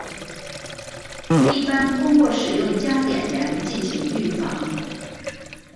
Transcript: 一般通过使用加碘盐进行预防。